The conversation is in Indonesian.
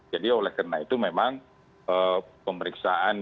jadi oleh karena itu memang pemeriksaan